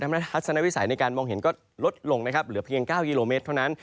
และทัศนวิสัยในการมองเห็นก็ลดลงนะครับเหลือเพียง๙กิโลเมตรเท่านั้น